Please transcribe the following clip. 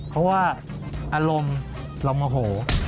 เพราะว่าอารมณ์เราโมโห